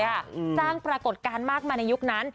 สร้างปรากฏการณ์มากมายในยุคนั้น